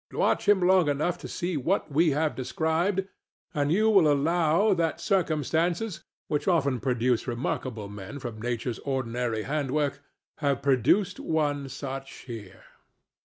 Watch him long enough to see what we have described, and you will allow that circumstances—which often produce remarkable men from Nature's ordinary handiwork—have produced one such here.